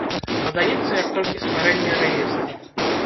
Падаецца як толькі стварэнне рэестра.